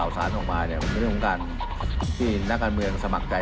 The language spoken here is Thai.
ซึ่งท้ายที่สุดประชาชนจะเป็นคนตัดสินใจ